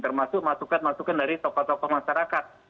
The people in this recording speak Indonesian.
termasuk masukan masukan dari tokoh tokoh masyarakat